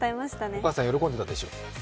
お母さん、喜んだでしょう。